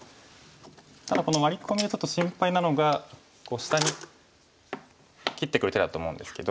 ただこのワリ込みがちょっと心配なのが下に切ってくる手だと思うんですけど。